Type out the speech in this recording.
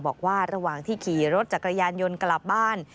บอกว่าระหว่างที่ขี่รถจักรยานยนต์กลับบ้าน